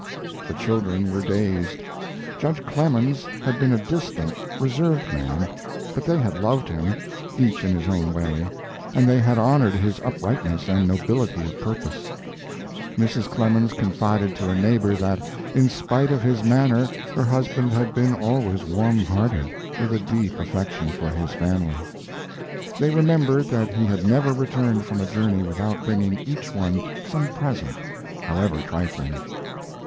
The children were dazed. Judge Clemens had been a distant, reserved man, but they had loved him, each in his own way, and they had honored his uprightness and nobility of purpose. Mrs. Clemens confided to a neighbor that, in spite of his manner, her husband had been always warm hearted, with a deep affection for his family. They remembered that he had never returned from a journey without bringing each one some present, however trifling.